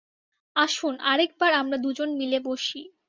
আসুন, আরেক বার আমরা দুজন মিলে বসি।